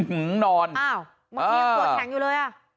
อ้าวเมื่อกี้ยังปวดแข็งอยู่เลยอะ